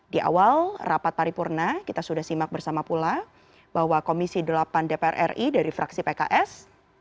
di awal rapat paripurna kita sudah simak bersama pula bahwa komisi delapan dpr ri dari fraksi pks